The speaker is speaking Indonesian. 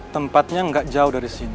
tempatnya nggak jauh dari sini